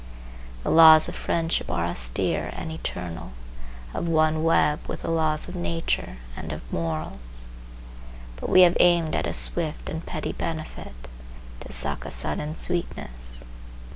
The laws of friendship are austere and eternal, of one web with the laws of nature and of morals. But we have aimed at a swift and petty benefit, to suck a sudden sweetness.